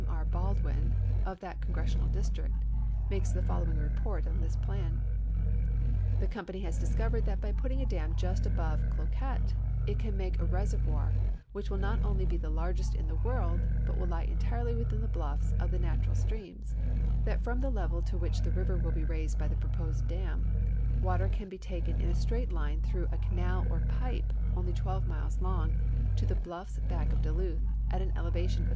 11. Haldwin. of that Congressional district, makes the following report on this i)lan: " This company has discovered that by putting a dam just above Cloquet it can make a reservoir which will not only be the larorest in the world, but will lie entirely within the bluflfs of the natural streams ; that from the level to which the river will be raised by the proposed dam the water can be taken in a straight line through a canal or pipe, only twelve miles long, to the bluffs back of Duluth, at an elevation of